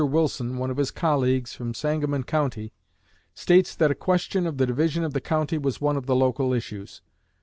Wilson, one of his colleagues from Sangamon County, states that a question of the division of the county was one of the local issues.